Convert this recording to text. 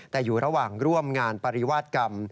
แต่อยู่ระหว่างร่วมงานปริวาสกรรม